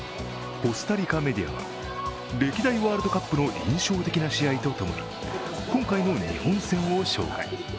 コスタリカメディアは歴代ワールドカップの印象的な試合と共に今回の日本戦を紹介。